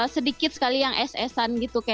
sedikit sekali yang es esan gitu